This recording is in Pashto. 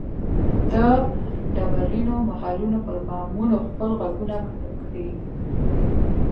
د ډبرینو محلونو پر بامونو خپل ږغونه کري